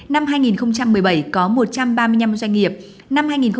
năm hai nghìn một mươi bảy có một trăm ba mươi năm doanh nghiệp